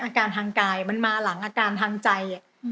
อาการทางกายมันมาหลังอาการทางใจ